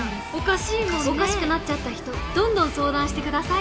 おかしくなっちゃった人どんどん相談して下さい」。